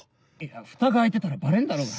フタが開いてたらバレんだろうが。